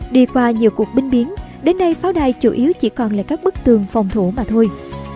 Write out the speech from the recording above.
đi qua nhiều cuộc binh biến đến nay pháo đài chủ yếu chỉ còn lại các bức tường phòng thủ mà thôi